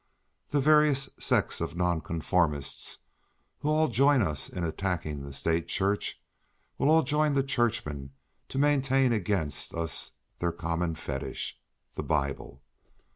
The various sects of Nonconformists, who all join with us in attacking the State Church, will all join the Churchmen to maintain against us their common fetish, the Bible.